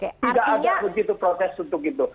tidak ada begitu proses untuk itu